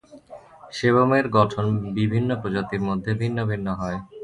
সেবমের গঠন বিভিন্ন প্রজাতির মধ্যে ভিন্ন ভিন্ন হয়।